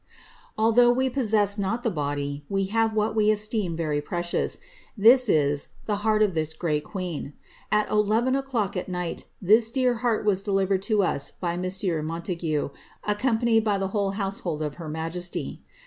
^^ Although we possess not the body, we have what we esteem verr precious ; this is, the heart of this great queen. At eleven oVlock at night this dear heart M'as delivered to us by M. Montague, accompanied by the whole household of her majesty.